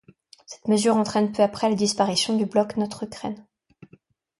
Cette mesure entraîne peu après la disparition du Bloc Notre Ukraine.